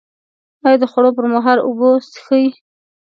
ایا د خوړو پر مهال اوبه څښئ؟